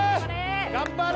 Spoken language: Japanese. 頑張れ！